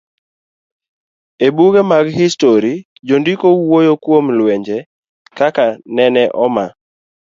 E buge mag histori, jondiko wuoyo kuom lwenje, kaka nene oma